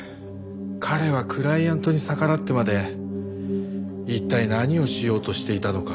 彼はクライアントに逆らってまで一体何をしようとしていたのか。